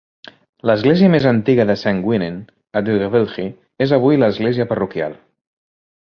L'església més antiga de Saint Gwynin a Dwygyfylchi és avui l'església parroquial.